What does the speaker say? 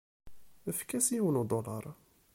Efk-as yiwen udulaṛ.